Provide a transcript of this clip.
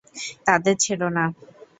তাদের ছেড়ো না।